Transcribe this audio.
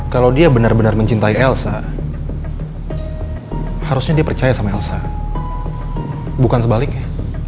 kalau dia benar benar mencintai elsa harusnya dia percaya sama elsa bukan sebaliknya